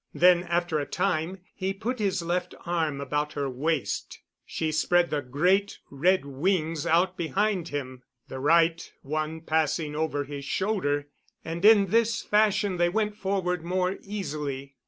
Then, after a time, he put his left arm about her waist. She spread the great red wings out behind him, the right one passing over his shoulder; and in this fashion they went forward more easily.